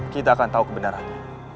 kita akan tahu kebenarannya